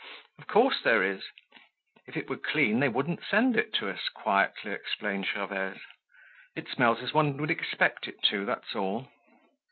"Of course there is! If it were clean they wouldn't send it to us," quietly explained Gervaise. "It smells as one would expect it to, that's all!